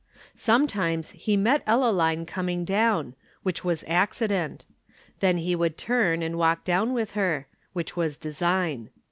Sometimes he met Ellaline coming down; which was accident. Then he would turn and walk down with her; which was design.